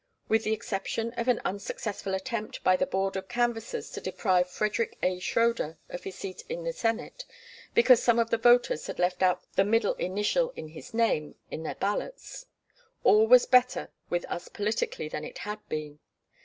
With the exception of an unsuccessful attempt by the Board of Canvassers to deprive Frederick A. Schroeder of his seat in the Senate, because some of the voters had left out the middle initial in his name in their ballots, all was better with us politically than it had been.